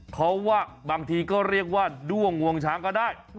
เขาว่าบางทีก็เรียกว่าด้วงงวงช้างก็ได้